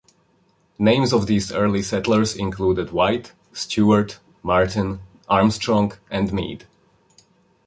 Names of these early settlers included White, Stuart, Martin, Armstrong, and Mead.